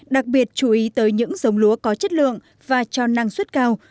đặc biệt chú ý tới những dòng lúa có chất lượng và cho năng xuất cao